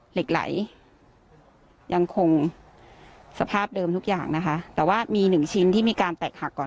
เหล็กไหลยังคงสภาพเดิมทุกอย่างนะคะแต่ว่ามีหนึ่งชิ้นที่มีการแตกหักก่อน